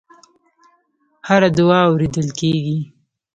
هره دعا اورېدل کېږي.